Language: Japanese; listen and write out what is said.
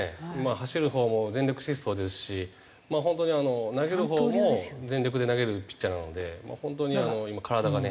走るほうも全力疾走ですし本当に投げるほうも全力で投げるピッチャーなので本当に体がね。